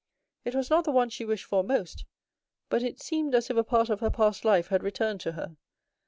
"It was not the one she wished for most, but it seemed as if a part of her past life had returned to her.